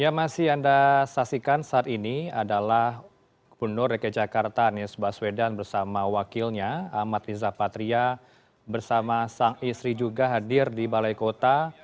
yang masih anda saksikan saat ini adalah gubernur rekajakarta anies baswedan bersama wakilnya amat nizapatria bersama sang istri juga hadir di balai kota